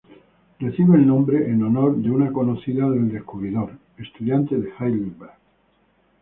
Está nombrado en honor de una conocida del descubridor, estudiante de Heidelberg.